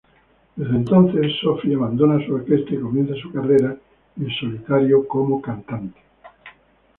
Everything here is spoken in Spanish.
Desde entonces, Sofi, abandona su orquesta y comienza su carrera en solitario como cantante.